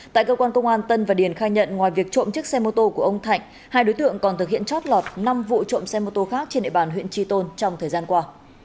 tại cơ quan công an tân và điền khai nhận ngoài việc trộm chiếc xe mô tô của ông thạnh hai đối tượng còn thực hiện chót lọt năm vụ trộm xe mô tô khác trên địa bàn huyện tri tôn trong thời gian qua